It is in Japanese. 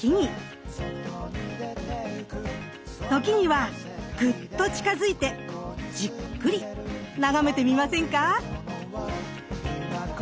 時にはグッと近づいてじっくり眺めてみませんか。